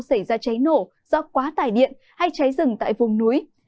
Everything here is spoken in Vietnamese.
xảy ra cháy nổ do quá tải điện hay cháy rừng tại vùng núi